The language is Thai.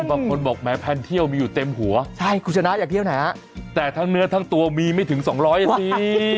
บางคนบอกแหมแพนเที่ยวมีอยู่เต็มหัวใช่คุณชนะอยากเที่ยวไหนฮะแต่ทั้งเนื้อทั้งตัวมีไม่ถึงสองร้อยอ่ะสิ